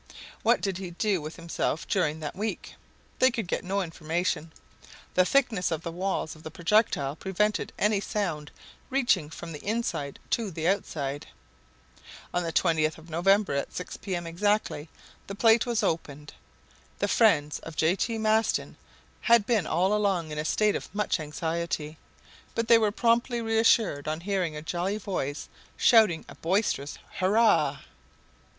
What did he do with himself during that week? They could get no information. The thickness of the walls of the projectile prevented any sound reaching from the inside to the outside. On the 20th of November, at six P.M. exactly, the plate was opened. The friends of J. T. Maston had been all along in a state of much anxiety; but they were promptly reassured on hearing a jolly voice shouting a boisterous hurrah.